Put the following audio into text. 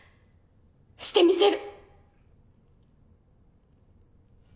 してみせる。